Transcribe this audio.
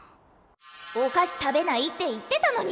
お菓子食べないって言ってたのに。